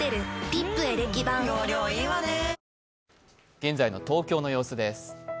現在の東京の様子です。